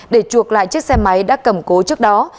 để chuộc lại chiếc xe máy đã cầm cố trước đó